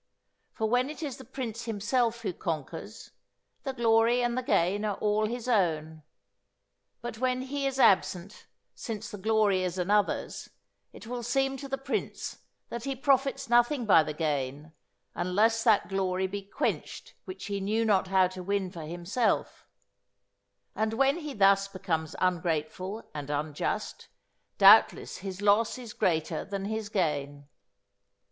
For when it is the prince himself who conquers, the glory and the gain are all his own; but when he is absent, since the glory is another's, it will seem to the prince that he profits nothing by the gain, unless that glory be quenched which he knew not how to win for himself; and when he thus becomes ungrateful and unjust, doubtless his loss is greater than his gain.